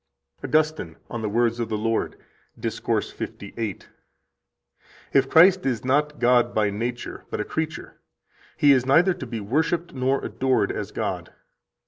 84 AUGUSTINE, Of the Words of the Lord, Discourse 58 (t. 10, p. 217): "If Christ is not God by nature, but a creature, He is neither to be worshiped nor adored as God.